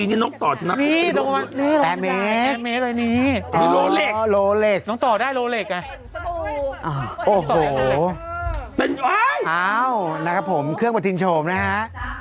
โหเป็นว้ายเอ้านักครับผมเครื่องประชินโชมนะคะ